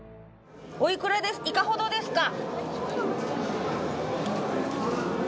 おいくらでいかほどですか？